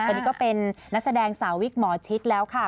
ตอนนี้ก็เป็นนักแสดงสาววิกหมอชิดแล้วค่ะ